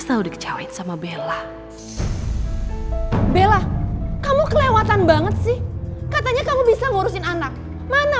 tahu dikecauin sama bella kamu kelewatan banget sih katanya kamu bisa ngurusin anak mana